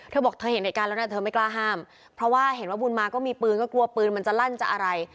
เธอบอกเธอเห็นเหตุการณ์แล้วนะเธอไม่กล้าห้ามเพราะว่าเห็นว่าบุญมาก็มีปืนก็กลัวปืนมันจะลั่นจะอะไร